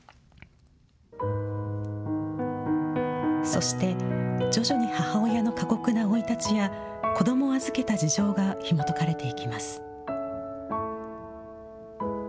そして、徐々に母親の過酷な生い立ちや、子どもを預けた事情がひもとかれていきます。